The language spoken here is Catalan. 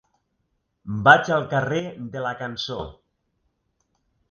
Vaig al carrer de la Cançó.